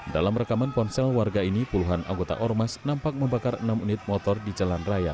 dalam rekaman ponsel warga ini puluhan anggota ormas nampak membakar enam unit motor di jalan raya